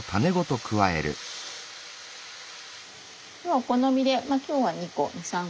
お好みで今日は２個２３個。